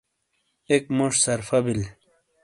اک موج سرفا بل،